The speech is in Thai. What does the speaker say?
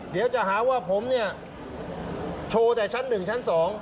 เดี๋ยวจะหาว่าผมเนี่ยโชว์แต่ชั้น๑ชั้น๒